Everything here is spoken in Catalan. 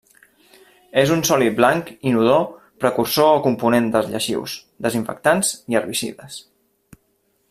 És un sòlid blanc inodor precursor o component dels lleixius, desinfectants i herbicides.